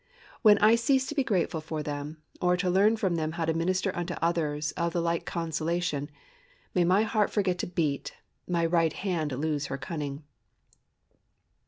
When I cease to be grateful for them, or to learn from them how to minister unto others of the like consolation, may my heart forget to beat, my right hand lose her cunning!